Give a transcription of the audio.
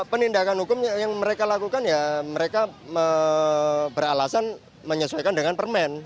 penindakan hukum yang mereka lakukan ya mereka beralasan menyesuaikan dengan permen